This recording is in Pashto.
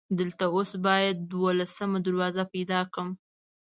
دلته اوس باید دولسمه دروازه پیدا کړم.